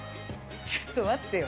ちょっと待ってよ。